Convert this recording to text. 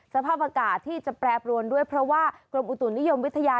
สภาพอากาศที่จะแปรปรวนด้วยเพราะว่ากรมอุตุนิยมวิทยา